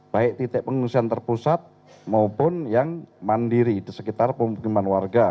baik titik pengungsian terpusat maupun yang mandiri di sekitar pemukiman warga